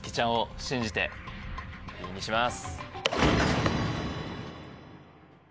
Ｂにします。